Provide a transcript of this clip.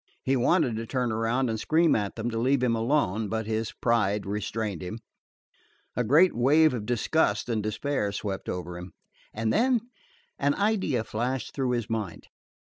He wanted to turn around and scream at them to leave him alone, but his pride restrained him. A great wave of disgust and despair swept over him, and then an idea flashed through his mind.